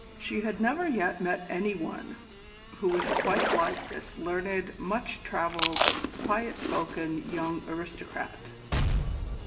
She had never yet met any one who was quite like this learned, much travelled, quiet spoken young aristocrat.